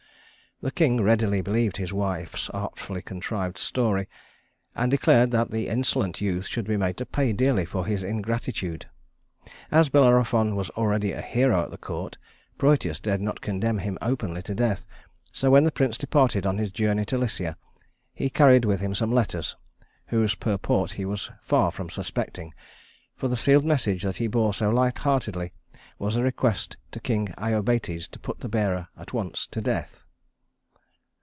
The king readily believed his wife's artfully contrived story, and declared that the insolent youth should be made to pay dearly for his ingratitude. As Bellerophon was already a hero at the court, Prœtus dared not condemn him openly to death; so when the prince departed on his journey to Lycia, he carried with him some letters whose purport he was far from suspecting; for the sealed message that he bore so light heartedly was a request to King Iobates to put the bearer at once to death.